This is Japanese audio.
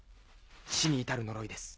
死に至る呪いです。